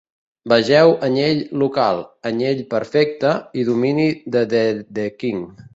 Vegeu anell local, anell perfecte i domini de Dedekind.